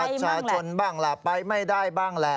ไม่มีบัตรประชาชนบ้างแหละไปไม่ได้บ้างแหละ